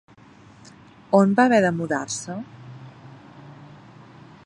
On va haver de mudar-se?